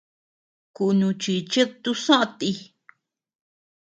Kunuchichid tusoʼö ti.